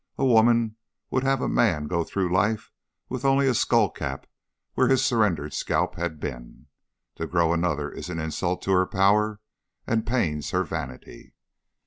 A woman would have a man go through life with only a skull cap where his surrendered scalp had been. To grow another is an insult to her power and pains her vanity.